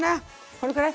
これくらい？